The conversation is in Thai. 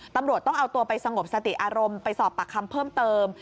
ตำรวจต้องเอาตัวไปสงบสติอารมณ์ไปสอบปากคำเพิ่มเติม